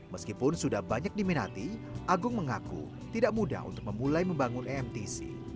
meskipun sudah banyak diminati agung mengaku tidak mudah untuk memulai membangun emtc